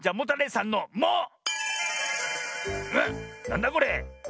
なんだこれ？